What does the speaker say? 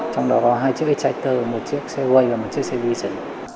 trong đó có hai chiếc xe chạy tờ một chiếc xe quay và một chiếc xe vi sử